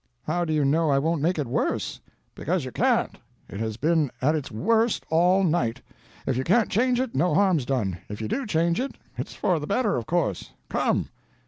"How do you know I won't make it worse?" "Because you can't. It has been at its worst all night. If you can't change it, no harm's done; if you do change it, it's for the better, of course. Come."